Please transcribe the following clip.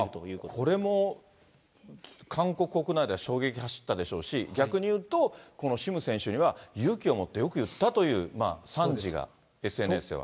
これも韓国国内では衝撃走ったでしょうし、逆に言うと、このシム選手には、勇気を持ってよく言ったという賛辞がＳＮＳでは。